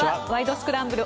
スクランブル」